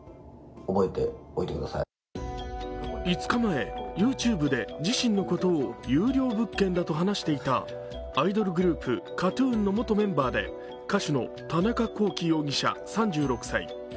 ５日前、ＹｏｕＴｕｂｅで自身のことを優良物件だと話していたアイドルグループＫＡＴ−ＴＵＮの元メンバーで歌手の田中聖容疑者３６歳。